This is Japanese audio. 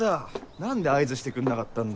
何で合図してくんなかったんだよ。